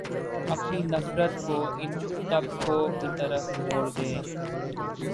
اپنی نفرت کو ان طبقوں کی طرف موڑ دیں